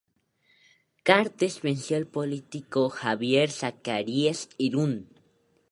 Cartes venció al político Javier Zacarías Irún.